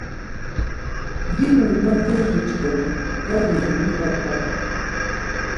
Ginonna burği ç̌ǩomi, var ginonna baǩlava.